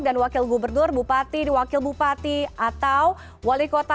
dan wakil gubernur bupati diwakil bupati atau wali kota